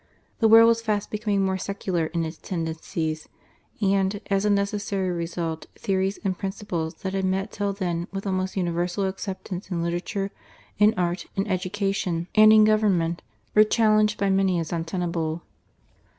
The world was fast becoming more secular in its tendencies, and, as a necessary result, theories and principles that had met till then with almost universal acceptance in literature, in art, in education, and in government, were challenged by many as untenable.